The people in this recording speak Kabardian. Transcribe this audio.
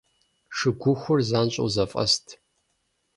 Шыгухур занщӀэу зэфӀэст.